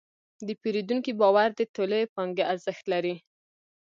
د پیرودونکي باور د ټولې پانګې ارزښت لري.